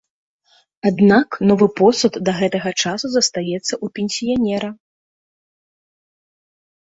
Аднак, новы посуд да гэтага часу застаецца ў пенсіянера.